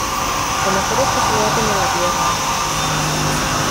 lo mejor es que se lo aten en la pierna.